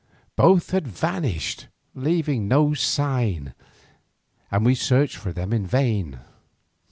Both had vanished leaving no sign, and we searched for them in vain.